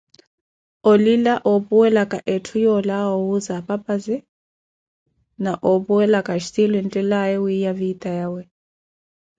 Olila, ophuwelaka eethu yolawa owuuza apapaze, na ophuwelaka xhtilu enthelaye wiiya vitayawe